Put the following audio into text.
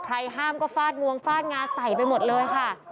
ห้ามก็ฟาดงวงฟาดงาใส่ไปหมดเลยค่ะ